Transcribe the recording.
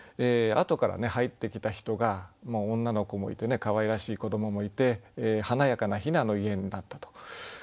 後からね入ってきた人が女の子もいてねかわいらしい子どももいて華やかな「ひなの家」になったと。